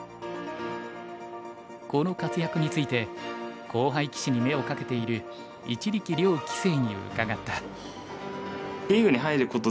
この活躍について後輩棋士に目をかけている一力遼棋聖に伺った。